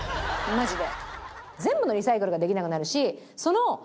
マジで。